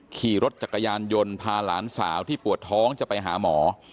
ขี่รถจักรยานยนต์พาหลานสาวที่ปวดท้องจะไปหาหมอ